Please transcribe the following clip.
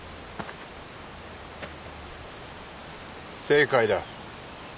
正解だ。